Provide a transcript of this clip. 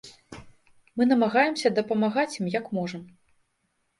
Мы намагаемся дапамагаць ім як можам.